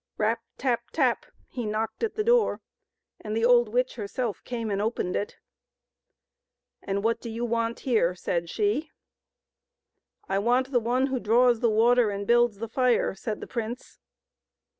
Rap ! tap ! tap ! he knocked at the door, and the old witch herself came and opened it. " And what do you want here ?" said she. " I want the one who draws the water and builds the fire," said the prince.